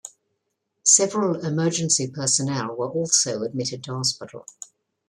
Several emergency personnel were also admitted to hospital.